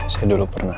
saya dulu pernah